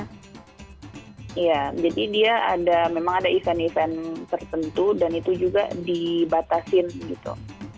iya jadi dia ada memang ada event event tertentu dan itu juga dibatasin gitu